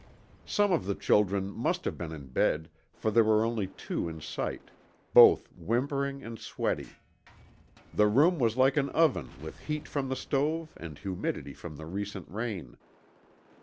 Some of the children must have been in bed, for there were only two in sight, both whimpering and sweaty. The room was like an oven with heat from the stove and humidity from the recent rain.